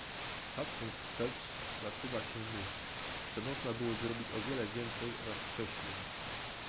Patrząc wstecz nasuwa się myśl, że można było zrobić o wiele więcej oraz wcześniej